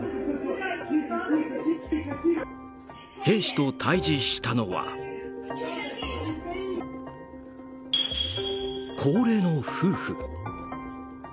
兵士と対峙したのは高齢の夫婦。